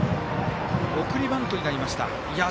送りバントになりました。